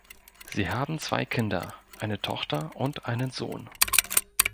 Sie haben zwei Kinder, eine Tochter und einen Sohn.